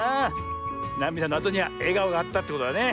なみだのあとにはえがおがあったってことだね。